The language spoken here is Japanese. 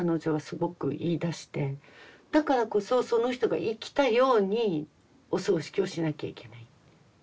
だからこそその人が生きたようにお葬式をしなきゃいけないって。